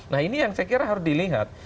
nah ini yang saya kira harus dilihat